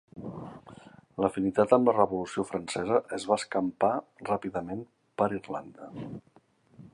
L'afinitat amb la Revolució Francesa es va escampar ràpidament per Irlanda.